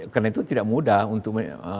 karena itu tidak mudah untuk